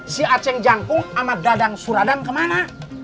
si aceng jangkung sama dadang suradan kemana